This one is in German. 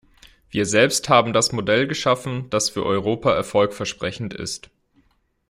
Wir selbst haben das Modell geschaffen, das für Europa Erfolg versprechend ist.